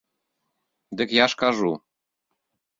Дык я ж кажу.